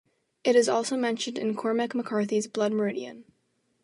It is also mentioned in Cormac McCarthy's "Blood Meridian".